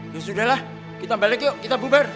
ya sudah lah kita balik yuk kita bubar